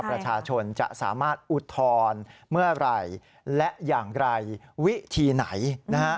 ประชาชนจะสามารถอุทธรณ์เมื่อไหร่และอย่างไรวิธีไหนนะฮะ